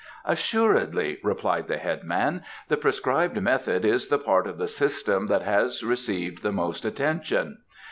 "Assuredly," replied the headman; "the prescribed method is the part of the system that has received the most attention.